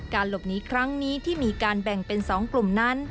หลบหนีครั้งนี้ที่มีการแบ่งเป็น๒กลุ่มนั้น